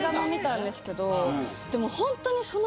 でもホントに。